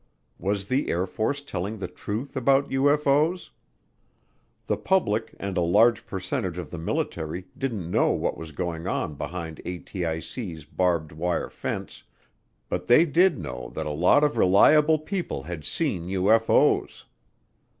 Was the Air Force telling the truth about UFO's? The public and a large percentage of the military didn't know what was going on behind ATIC's barbed wire fence but they did know that a lot of reliable people had seen UFO's.